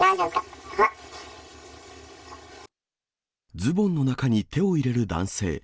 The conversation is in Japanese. ズボンの中に手を入れる男性。